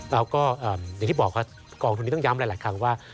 แล้วก็อย่างที่บอกครับกองทุนนี้ต้องย้ำหลายครั้งว่า